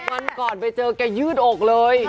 วันก่อนไปเจอแกยืดอกเลย